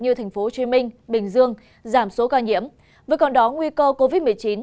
như tp hcm bình dương giảm số ca nhiễm với còn đó nguy cơ covid một mươi chín